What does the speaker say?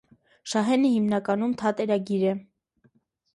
Շահենը հիմնականում թատերագիր է։